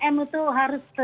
lima m itu harus